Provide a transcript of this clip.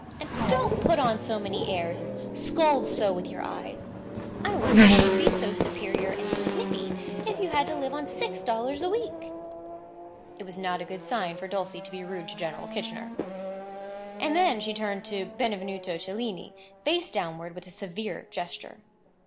"And don't put on so many airs and scold so with your eyes. I wonder if you'd be so superior and snippy if you had to live on six dollars a week." It was not a good sign for Dulcie to be rude to General Kitchener. And then she turned Benvenuto Cellini face downward with a severe gesture.